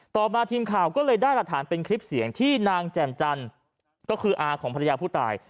ต่อมาทีมข่าวก็เลยได้หลักฐานเป็นคลิปเสียงที่นางแจ่มจันทร์ก็คืออาของภรรยาผู้ตาย